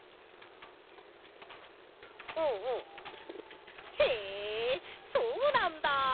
うんうんへえそうなんだ！